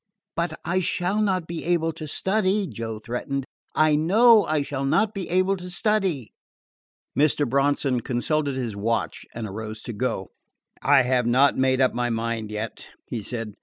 "But I shall not be able to study," Joe threatened. "I know I shall not be able to study." Mr. Bronson consulted his watch and arose to go. "I have not made up my mind yet," he said.